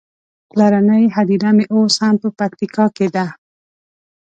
پلرنۍ هديره مې اوس هم په پکتيکا کې ده.